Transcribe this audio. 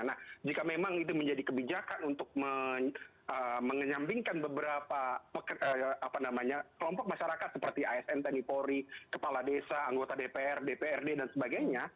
nah jika memang itu menjadi kebijakan untuk mengenyampingkan beberapa kelompok masyarakat seperti asn tni polri kepala desa anggota dpr dprd dan sebagainya